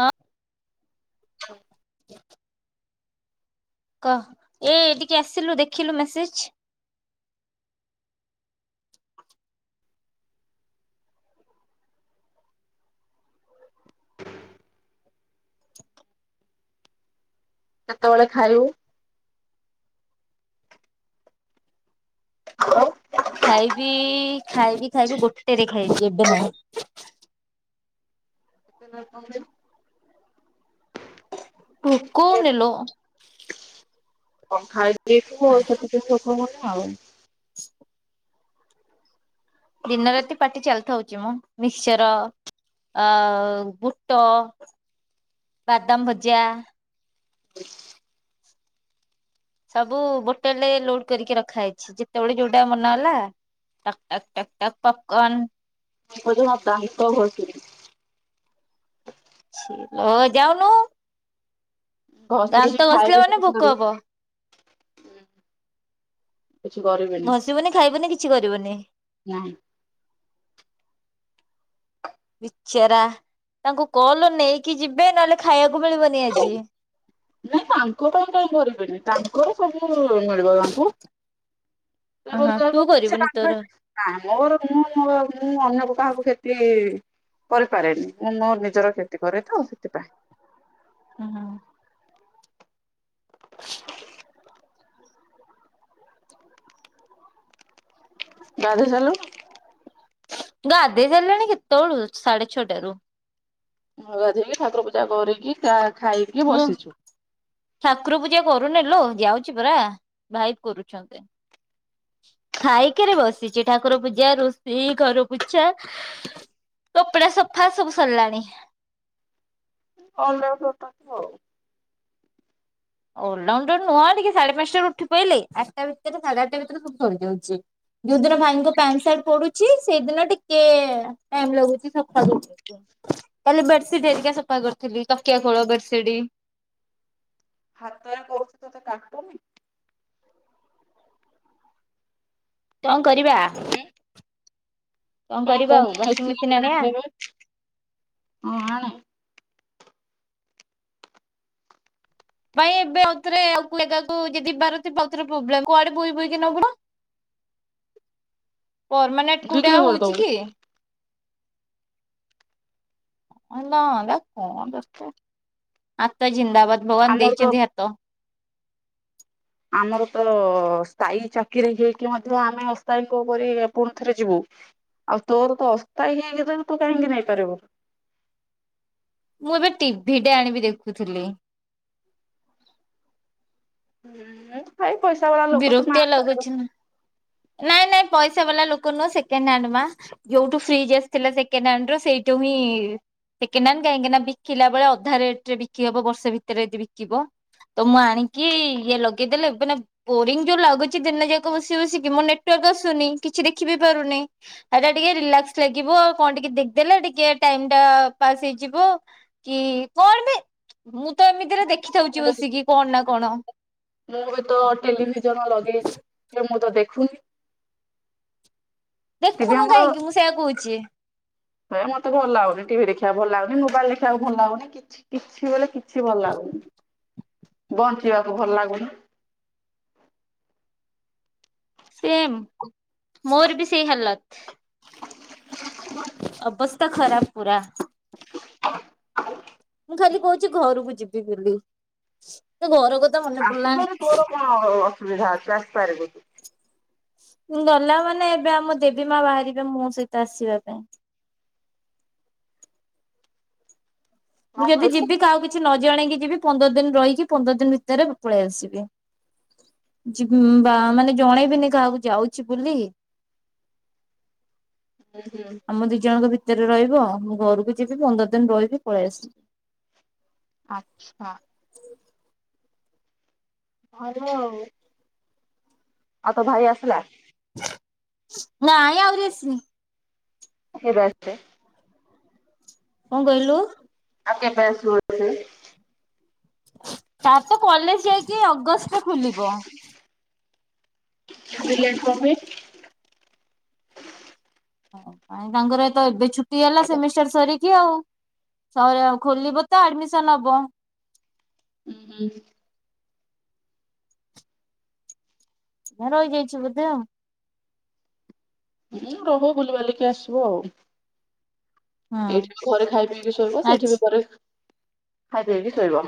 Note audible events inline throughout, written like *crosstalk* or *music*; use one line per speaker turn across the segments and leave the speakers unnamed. ହଁ।
ହଁ।
ଁ କହ ଏ ଟିକେ ଆସିଲୁ ଦେଖିଲୁ ମେସେଜ।
କେତୋବେଳେ ଖାଇବୁ? ହଲୋ।
ଖାଇବି ଖାଇବି ଖାଇବି ଗୋଟେରେ ଖାଇବି ଏବେ ନାଇଁ।
ଏନା କଁ ଖାଇବୁ?
ଭୋକ ହୋଉନି ଲୋ।
କଁ ଖାଇ ଦେଇଥିବୁ ସେଥିପାଇଁ ଭୋକ ହୋଉନି। ହଉ।
ଦିନ ରାତି ପାଟି ଚାଲିଥାଉଛି ମୁଁ ମିକ୍ଚର ଆ ବୁଟ ବାଦାମ ଭଜା।
*inaudible*
ସବୁ ବୋଟେଲରେ ଲୋଡ କରିକି ରଖାହେଇଚି ଯେତେବେଳେ ଯୋଉଟା ମନହଲା ଟକ୍ ଟକ୍ ଟକ୍ ଟକ୍ ପପକନ
ମୁ ଦାନ୍ତ ଘ *inaudible*
ଯାଉନୁ।
ଘଷିବିନି
ଦାନ୍ତ ଘସିଲେ
ଖାଇବିନି
ମାନେ
କିଛି
ଭୋକ
କରିବିନି
ହବ।
କିଛି କରିବିନି
ଘଷିବୁନି ଖାଇବୁନି କିଛି କରିବୁନି। *inaudible*
ନାହିଁ।
ବିଚରା ତାଙ୍କୁ କଲ ନେଇକି ଯିବେ ନହେଲେ ଖାଇବାକୁ ମିଳିବନି ଆଜି।
*inaudible* ନାଇଁ ତାଙ୍କ ପାଇଁ କାଇଁ କରିବେନି ତା *unintelligible* *inaudible* ମିଳିବ ତାଙ୍କୁ
ଅହ ତୁ କରିବୁନି ତୋର
*unintelligible* ମୋର ମୁଁ ମୁଁ ଅନ୍ୟର କାହାକୁ କ୍ଷତି କରିପାରେନି, ମୁଁ ମୋ ନିଜର କ୍ଷତି କରେ ତ ସେଥିପାଇଁ।
*unintelligible*
ଦାଦା ଚାଲୁ
ଗାଧେଇ ସାରିଲିଣି କେତେବେଳୁ ସାଢେ ଛଅଟାରୁ।
ହଧି ଠାକୁର ପୂଜା କରରେ କି ଚା
ହଁ ଠାକୁର ପୂଜା କରୁନିଲୋ। ଯାଉଛି ପରା ଭାଇ କରୁଛନ୍ତି ଖାଇକିରି ବସିଛି ଠାକୁର ପୂଜା, ରୋଷେଇ, ଘର ପୂଛା, କପଡା ସଫା ସବୁ ସରିଲାଣି। *inaudible*
*unintelligible* ହୋଉ।
*unintelligible* ନୁହଁ ଟିକେ ସାଢେ ପାଞ୍ଚଟାରୁ ଉଠି ପଇଲେ ଆଠଟା ଭିତରେ ସାଢ଼େ ଆଠଟା ଭିତରେ ସବୁ ସରିଯାଉଛି, ଯୋଉ ଦିନ ଭାଇଙ୍କ ପ୍ୟାଣ୍ଟ୍ ସାର୍ଟ ପଡୁଛି ସେଇଦିନ ଟିକେ ଟାଇମ୍ ଲାଗୁଛି ସଫା କରିବାକୁ ଆଉ, କାଲି ବେଡସିଟ୍ ହେରିକା ସଫା କରିଥିଲି ତକିଆ ଖୋଳ ବେଡ୍ ସିଡି
ହତାୟା କରୁଛୁ ତତେ କାଟୁନି
*unintelligible* କରିବା ଆ *inaudible*
ହଁ କହୁନୁ ମେଶିନି ଗୋଟେ
ଆଣିବା?
ଆଣିଦେବେ, *inaudible* ହଁ ଆଣ।
ଏବେ ଆଉ ଥରେ ଆଉ ଗୋଟେ ଜାଗାକୁ ଯଦି ବାହାରୁଥିବ ଆଉଗୋଟେ ପ୍ରୋବ୍ଲେମ୍ କୁଆଡେ ବୋହି ବୋହିକି। *unintelligible* ପରମାନେଣ୍ଟ କୋଉ
ବିକ୍ରି
ଆଉ ହୋଉଚି
କରିଦବୁ
କି? *unintelligible* କଣ ବ୍ୟସ୍ତ *unintelligible* ଜିନ୍ଦାବାଦ, ଭଗବାନ
ଆମର ତ
ଦେଇଛନ୍ତି ହାତ। *inaudible*
ଆମର ତ ସ୍ଥାୟୀ ଚାକିରି ହେଇକି ମଧ୍ୟ ଆମେ ଅସ୍ଥାୟୀଙ୍କ ଉପରେ ପୁଣି ଥରେ ଯିବୁ, ଆଉ ତୋର ତ ଅସ୍ଥାୟୀ ହେଇକି ତ ତୁ କାହିଁକି ନେଇପାରିବୁ। *inaudible*
ମୁଁ ଏବେ ଟିଭି ଟେ ଆଣିବି ଦେଖୁଥିଲି। *inaudible*
*unintelligible* ବାଲା ଲୋକ ତମେ
ବିରକ୍ତିଆ
ଆଣିପାରିବ।
ଲାଗୁଚି ନା? ନାଇଁ ନାଇଁ ପଇସା ବାଲା ଲୋକ ନୁହଁ ସେକେଣ୍ଡ ହ୍ୟାଣ୍ଡ ମା ଯୋଉଠୁ ଫ୍ରିଜ୍ ଆସିଥିଲା ସେକେଣ୍ଡ ହ୍ୟାଣ୍ଡ ର ସେଇଠୁ ହିଁ ସେକେଣ୍ଡ ହ୍ୟାଣ୍ଡ କାହିଁକି ନା ବିକିଲା ବେଳେ ଅଧା ରେଟରେ ବିକି ହବ ବର୍ଷ ଭିତରେ ଯଦି ବିକିବ ତ ମୁଁ ଆଣିକି ଇଏ ଲଗେଇଦେଲେ ମାନେ ବୋରିଙ୍ଗ ଯୋଉ ଲାଗୁଚି ଦିନ ଯାକ ବସି ବସିକି ମୋ ନେଟୱାର୍କ ଆସୁନି କିଛି ଦେଖି ବିି ପାରୁନି ଏଟା ଟିକେ ରିଲାକ୍ସ ଲାଗିବ ଆଉ କଣ ଟିକେ ଦେଖିଦେଲେ ଟିକେ ଟାଇମ୍ ଟା ପାସ୍ ହେଇଯିବ କି କଣ ବି ମୁଁ ତ ଏମତି *unintelligible* ଦେଖିଥାାଉଛି ବସିକି କଣ ନା କଣ? *inaudible*
ମୁଁ ବି ତ ଟେଲିଭିଜନ ଲଗେଇଛି ହେଲେ ମୁଁ ତ ଦେଖୁନି। *inaudible* ଟିଭି
ଦେଖୁନୁ
ଆମର
କାହିଁକି ମୁଁ ସେଆ କହୁଛି।
ହେ ମତେ ଭଲ ଲାଗୁନି ଟିଭି ଦେଖିବାକୁ ଭଲ ଲାଗୁନି ମୋବାଇଲ ଦେଖିବାକୁ ଭଲ ଲାଗୁନି କିଛି କିଛି ବୋଲେ କିଛି ଭଲ ଲାଗୁନି ବଞ୍ଚିବାକୁ ଭଲ ଲାଗୁନି
ସେମ୍ ମୋର ବି ସେଇ ହାଲତ୍ ଅବସ୍ଥା ଖରାପ ପୁରା।
*inaudible*
ମୁଁ ଖାଲି କହୁଛି ଘରକୁ ଯିବି ବୋଲି। ତ ଘର କଥା ମନେ ପଡିଲାଣି।
ଆସୁନୁଭାରି ତୋର କଣ ଅସୁବିଧା ଅଛି ଆସିପାରିବୁ।
ଗଲା ମାନେ ଏବେ ଆମ ଦେବୀ ମା ବାହାରିବେ ମୋ ସହିତ ଆସିବା ପାଇଁ। ମୁଁ
କଣ
ଯଦି
କହିଲୁ?
ଯିବି ଆଉ କିଛି ନ ଜଣେଇକି ଯିବି ପନ୍ଦର ଦିନ ରହିକି ପନ୍ଦର ଦିନ ଭିତରେ ପଳେଇ ଆସିବି ଯିବି ବା ମାନେ ଜଣେଇବିନି କାହାକୁ ଯାଉଛି ବୋଲି।
ହୁଁ ହୁଁ।
ଆମ ଦି ଜଣଙ୍କ ଭିତ ଭିତରେ ରହିବ ମୁଁ ଘରକୁ ଯିବି ପନ୍ଦର ଦିନ ରହିବି ପଳେଇ ଆସିବି।
ଆଚ୍ଛା। ଭଲ ଆଉ। ଆଉ ତୋ ଭାଇ ଆସିଲା?
*inaudible* ନାଇଁ ଆହୁରି ଆସି
କେବେ ଆସିବେ?
କଣ କହିଲୁ?
ଆଉ କେବେ ଆସିବ। *unintelligible*
ତାର ତ କଲେଜ ଯାଇକି ଅଗଷ୍ଟ ରେ ଖୋଲିବ।
ଏତେ ଲେଟ କଣ ପାଇଁ?
ନାଇଁ ତାଙ୍କର ତ ଏବେ ଛୁ ଟି ହେଲା ସେମିଷ୍ଟର ସରିକି ଆଉ। *unintelligible* ଖୋଲିବ ତ ଆଡମିସନ ହବ।
ଉଁ ହୁଁ।
ଏ ରହି ଯାଇଚି ବୋଧେ ଆଉ।
ଏଇନେ ରହିବ ବୁଲି ବାଲିକି ଆସିବ ଆଉ।
ହୁଁ
ଏଇଠି ବି ଘରେ ଖାଇ ପିଇକି ଶୋଇବା ସେଇଠି
ଆଚ୍ଛା
ବି ଘରେ ଖାଇ ଦେଇକି ଶୋଇିବ।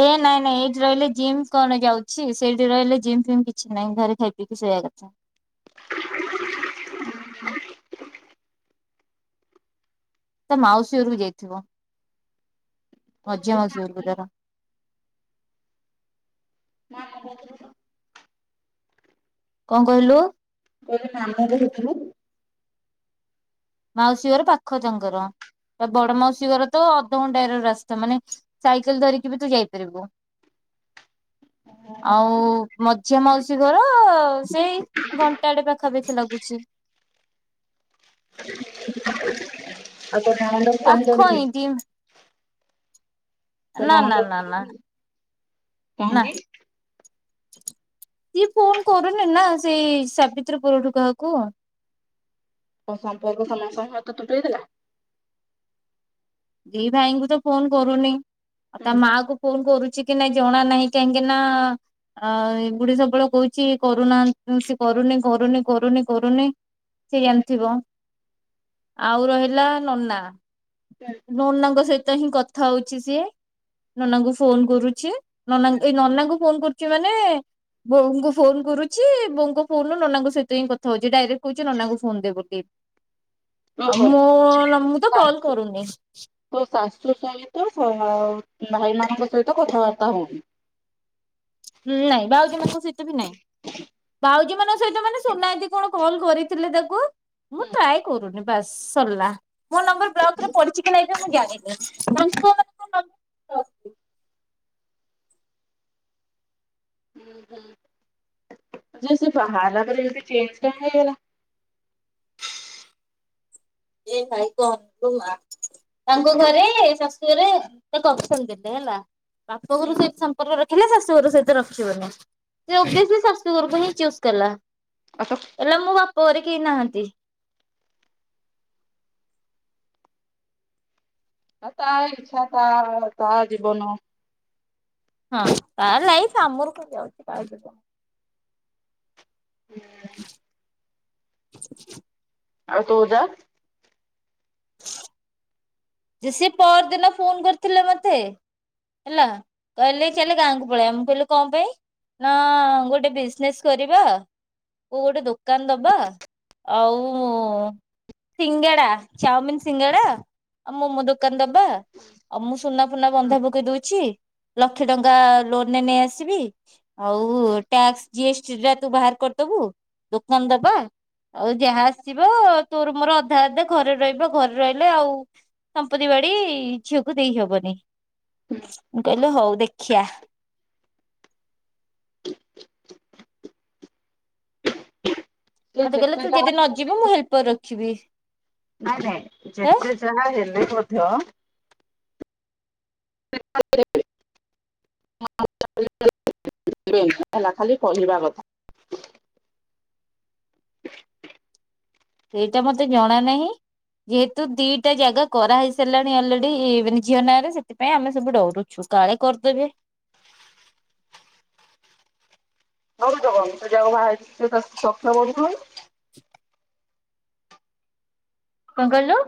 ଏ ନାଇଁ ନାଇଁ ଏଇଠି ରହିଲେ ଜିମ୍ କଣ ଯାଉଛି ସେଇଠି ରହିଲେ ଜିମ୍ ଫିମ କିଛି ନାହିଁ ଘରେ ଖାଇ ପିଇକି ସୋଇବା କଥା। ତା ମାଉସୀ ଘରକୁବଯାଇଥିବ।
କହିଲି
*unintelligible*
ମାମୁଁ
କଣ କହିଲୁ?
କହିଲି ନାମ ଧରିଥିଲୁ।
ମାଉସୀ ଘର ପାଖ ତାଙ୍କର ବଡ ମାଉସୀ ଘର ତ ଅଧଘଣ୍ଟାଏର ରାସ୍ତା ମାନେ ସାଇକେଲ ଧରିକି ବି ତୁ ଯାଇପାରିବୁ। ଆଉ ମଝିଆ ମାଉସୀ ଘର ସେଇ ଘଣ୍ଟାଟେ ପାଖାପାଖି ଲାଗୁଛି।
ଆଉ ତ ନଣନ୍ଦ ଫୋନ
ପାଖ
କରିଥିଲେ?
ହିଁ ଦି
ତୋ
ନା ନା
ନଣନ୍ଦ
ନା ନା ନା
*inaudible* କାହିଁକି?
ସିଏ ଫୋନ୍ କରୁନି ନା ସେଇ ସାବିତ୍ରୀ ପରଠୁ କାହାକୁ।
ଓ ସମ୍ପର୍କ ସମସ୍ତଙ୍କ ହାତରୁ ତୁଟେଇଦେଲା।
ଦି ଭାଇଙ୍କୁ ତ ଫୋନ୍ କରୁନି। ଆ ତା ମାକୁ ଫୋନ୍ କରୁ ଚିକି ନାଇଁ ଜଣା ନାହିଁ କାହିଁକି ନା ଆ, ଏଗୁଡେ ସବୁବେଳେ କହୁଚି, କରୁନାହାନ୍ ଉଁ, ସେ କରୁନି କରୁନି କରୁନି କରୁନି ସିଏ ଜାଣିଥିବ। ଆଉ ରହିଲା ନନା
ହଁ।
ନନାଙ୍କ ସହିତ ହିଁ କଥା ହଉଛି ସିଏ, ନନାଙ୍କୁ ଫୋନ୍ କରୁଛି, ନନାଙ୍କୁ ଏ ନନାଙ୍କୁ ଫୋନ୍ କରୁଚି ମାନେ ବୋଉଙ୍କୁ ଫୋନ୍ କରୁଛି, ବୋଉଙ୍କ ଫୋନ୍ ରୁୁ ନନାଙ୍କ ସହିତ ହିଁ କଥା ହଉଚି, ଡାଇରେକ୍ଟ କହୁଚି ନନାଙ୍କୁ ଫୋନ୍ ଦେ ବୋଲି। ଆଉ
ଓହୋ
ମୁଁ ନା ମୁଁ ତ କଲ୍ କରୁନି।
ତୋ ଶାଶୁ ସହିତ ଫୋନ୍ ଆଉ ଭାଇମାନଙ୍କ ସହିତ କଥାବାର୍ତ୍ତା ହଉନି।
ହୁଁ ନାଇଁ ଭାଉଜ ମାନଙ୍କ ସହିତ ବି ନାଇଁ, ଭାଉଜ ମାନଙ୍କ ସହିତ ମାନେ ସୁନା ଯଦି କଣ କଲ୍ କରିଥିଲେ ତାକୁ ମୁଁ ଟ୍ରାଏ କରୁନି ବାସ୍ ସରିଲା। ମୋ ନମ୍ବର୍ ବ୍ଲକ୍ ରେ ପଢିଚି କି ନାଇଁ ତ ମୁଁ ଜାଣିନି *inaudible*
ନାଇ ସିଏ ବାହାହେଇଗଲା ପରେ ସେ ଚେଞ୍ଜ୍ କାହିଁ ହେଇଗଲା।
ଏ ଭାଇ କଣ କରିଭା ତାଙ୍କ ଘରେ ଶାଶୁ ଘରେ ତାକୁ ଅପସନ୍ ଦେଲେ ହେଲା ବାପ ଘରୁ ସେଇ ସମ୍ପର୍କରେ ହେଲେ ଶାଶୁ ଘର ସହିତ ରଖିବନି, ଯଦି ସିଏ ଶାଶୁ ଘର ପାହିଁ ଚୁସ୍ କଲା।
ଆଉ ତ
ହେଲେ ମୋ ବାପ ପରେ କେହି ନାହାନ୍ତି।
ଏ ତା ଇଚ୍ଛା ତା *unintelligible* ତା ଜୀବନ।
ହଁ ତା ଲାଇଫ୍ ଆମର କଣ ଯାଉଛି ତା ଜୀବନ। *unintelligible* *inaudible*
ଆଉ ତୋ ଯା
*unintelligible* ଯେ ସିଏ ପର ଦିନ ଫୋନ୍ କରିଥିଲେ ମୋତେ, ହେଲା କହିଲେ ଚାଲ ଗାଁକୁ ପଳେଇବା, ମୁଁ କହିଲି କଣ ପାଇଁ, ନା ଗୋଟେ ବିଜନେସ୍ କରିବା କୋଉ ଗୋଟେ ଦୋକାନ ଦବା ଆଉ ସିଙ୍ଗଡ଼ା ଚାଉମିିନ ସିଙ୍ଗଡା ଆଉ ମୋମ ଦୋକାନ ଦ ବା ଆଉ ମୁଁ ସୁନା ଫୁନା ବନ୍ଧା ପକେଇ ଦଉଛି। ଲକ୍ଷେ ଟଙ୍କା ଲୋନ୍ ରେ ନେଇ ଆସିବି, ଆଉ ଟ୍ୟାକ୍ସ ଜି ଏସ ଟି ଟା ତୁ ବାହାର କରିଦବୁ, ଦୋକାନ ଦବା ଆଉ ଯାହା ଆସିବ ତୋର ମୋର ଅଧା ଅଧା ଘରେ ରହିବ ଘରେ ରହିଲେ ଆଉ ସମ୍ପତ୍ତି ବାଡି ଝିଅକୁ ଦେଇ ହବନି ମୁଁ କହିଲି ହଉ ଦେଖିଆ।
ସେ
ମତେ କହିଲେ
ଯେତେ
ତୁ
ଯାହା
ଯଦି ନ
ବି
ଯିବୁ ମୁଁ
ହେଲେ
ହେଲ୍ପର ରଖିବି
*inaudible* ନା ଯାଏ
ହେ
ଯେତେ ଯାହା ହେଲେ ମ ଝିଅ *inaudible* ହେଲା ଖାଲି କହିବା କଥା।
ସେଇଟା ମତେ ଜଣା ନାହିଁ ଯେହେତୁ ଦିଟା ଜାଗା କରାହେଇ ସାରିଲାଣି ଅଲରେଡି ମାନେ ଝିଅ ନାଁରେ ସେଥିପାଇଁ ଆମେ ସବୁ ଡରୁଛୁ କାଳେ କରିଦେବେ।
*unintelligible* ସେ ଯାହାକୁ ବାହା ହେଇଚି ସେ ତାକୁ *unintelligible*
*unintelligible* କଣ କହିଲୁ?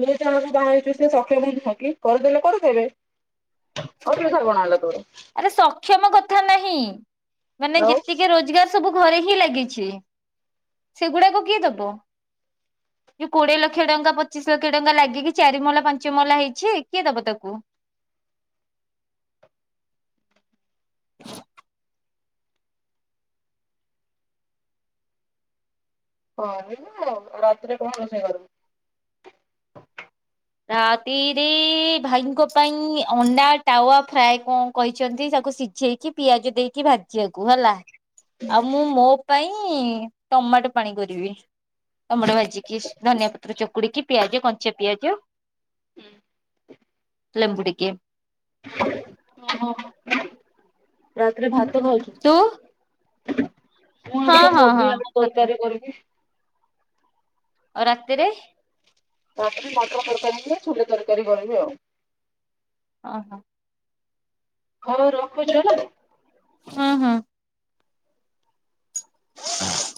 ତୁ ଯାହା କୁ ବାହା ହେଇଚୁ ସେ ସକ୍ଷମ ନୁହଁ କି? କରିଦେଲେ କରିଦେବେ ଅସୁବିଧା କଣ ହେଲା ତୋର?
ଆରେ ସକ୍ଷମ କଥା ନାହିଁ। ମାନେ
ଆଉ
ଯେତିକି ରୋଜଗାର ସବୁ ଘରେ ହିଁ ଲାଗିଛି। ସେଗୁଡାକୁ କିଏ ଦବ ଯଉ କୋଡିଏ ଲକ୍ଷ ଟଙ୍କା ପଚିଶ ଲକ୍ଷ ଟଙ୍କା ଲାଗିକି ଚାରି ମହଲା ପାଞ୍ଚ ମହଲା ହେଇଚି କିଏ ଦବ ତାକୁ? *inaudible*
ହଁ ରାତିରେ କଣ ରସେଇ କର?
ରାତିରେ ଭାଇଙ୍କ ପାଇଁ ଅଣ୍ଡା ତାୱା ଫ୍ରାଏ କଣ କହିଚନ୍ତି ତାକୁ ସିଝେଇକି ପିଆଜ ଦେଇକି ଭାଜ ଜିବାକୁ ହେଲା ଆଉ ମୁଁ ମୋ ପାଇଁ ଟମାଟ ପାଣି କରିବି ଟମାଟ ଭାଜିିକି ଧନିଆ ପତ୍ର ଚକୁଡିକି ପିଆଜ କଞ୍ଚା ପିଆଜ ଲେମ୍ବୁ ଟିକେ
ଓ ହୋ। ରାତରେ ଭାତ ଭାଇକି
ତୁ
ମୁଁ ଏବେ
ହଁ
ତ
ହଁ
କୋବି
ହଁ
ଆଳୁ
ଭାତ
ତରକାରୀ କରିବି।
ଆଉ ରାତିରେ?
ତାପରେ ମଟର ତରକାରୀ ଛୋଲେ ତରକାରୀ କରିବି ଆଉ।
ଅ ହୋ।
ହଉ ରଖୁଚି ହେଲା।
ହଁ ହଁ। *unintelligible*